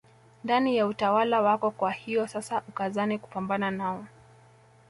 Ndani ya utawala wako kwa hiyo sasa ukazane kupambana nao